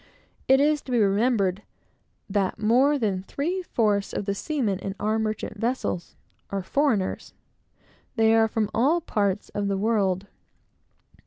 It is to be remembered that more than three fourths of the seamen in our merchant vessels are foreigners. They are from all parts of the world.